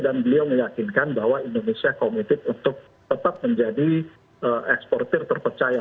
dan beliau meyakinkan bahwa indonesia komited untuk tetap menjadi eksportir terpercaya